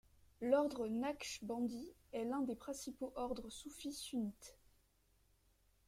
L'ordre Naqshbandi est l'un des principaux ordres soufis sunnites.